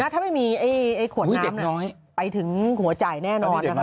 ถ้าไม่มีขวดน้ำไปถึงหัวใจไหนแน่ออน